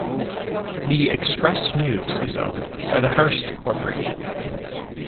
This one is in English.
The "Express-News" is owned by the Hearst Corporation.